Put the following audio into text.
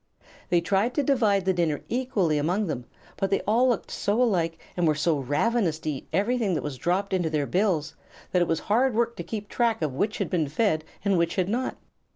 They tried to divide the dinner equally among them, but they all looked so alike and were so ravenous to eat everything that was dropped into their bills that it was hard work to keep track of which had been fed and which had not.